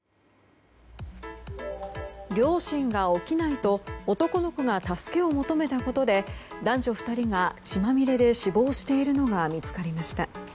両親が起きないと男の子が助けを求めたことで男女２人が血まみれで死亡しているのが見つかりました。